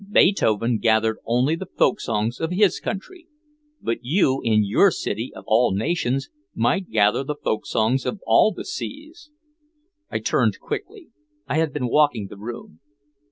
Beethoven gathered only the folk songs of his country. But you in your city of all nations might gather the folk songs of all the seas." I turned quickly. I had been walking the room.